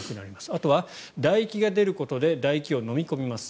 あとは、だ液が出ることでだ液を飲み込みます。